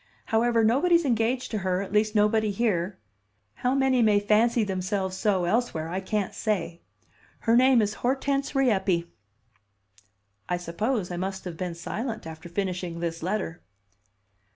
However, nobody's engaged to her, at least nobody here. How many may fancy themselves so elsewhere I can't say. Her name is Hortense Rieppe." I suppose I must have been silent after finishing this letter.